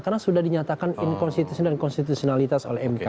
karena sudah dinyatakan in konstitusionalitas oleh mk